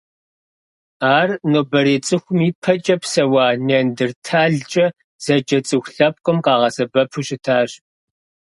Ар нобэрей цӏыхум ипэкӏэ псэуа Неандрталкӏэ зэджэ цӏыху лъэпкъым къагъэсэбэпу щытащ.